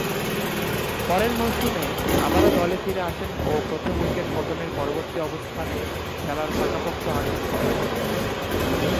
পরের মৌসুমে আবারও দলে ফিরে আসেন ও প্রথম উইকেট পতনের পরবর্তী অবস্থানে খেলার পাকাপোক্ত আসন গড়েন।